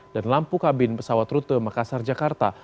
dan lampu kabin pesawat rute makassar jakarta